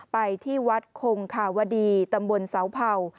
ไปที่วัดคงคาวดีตำบลเสาเผ่า